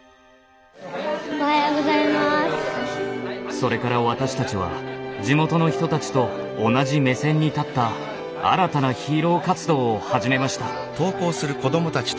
それから私たちは地元の人たちと同じ目線に立った新たなヒーロー活動を始めました。